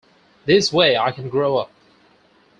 This way I can grow up.